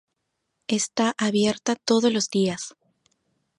Está abierta todos los días.